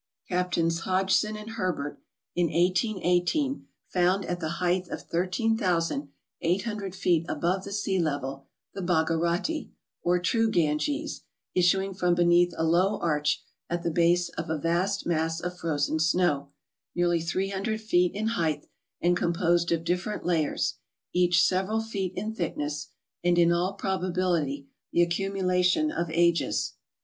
Captains Hodg 234 MOUNTAIN ADVENTUKES. son and Herbert, in 1818, found at the height of 13,800 feet above the sea level, the Bhagarati, or true Ganges, issuing from beneath a low arch at the base of a vast mass of frozen snow, nearly three hun¬ dred feet in height, and composed of different layers, each several feet in thickness, and, in all probability, the accumulation of ages.